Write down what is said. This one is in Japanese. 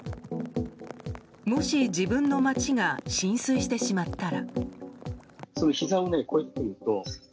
もし自分の街が浸水してしまったら。